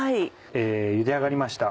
ゆで上がりました